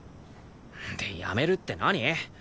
でやめるって何？